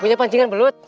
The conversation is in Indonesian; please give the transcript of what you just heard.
punya pancingan belut